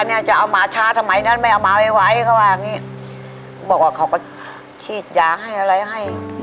เนี่ยมาช้าถมัยนั้นมาแกบอกว่าเขาก็ฉีดยาให้อะไรให้